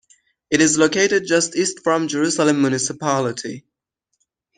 It is located just east from Jerusalem municipality.